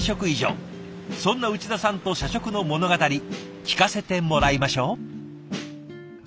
そんな内田さんと社食の物語聞かせてもらいましょう。